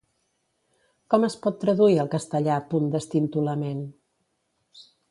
Com es pot traduir al castellà punt d'estintolament?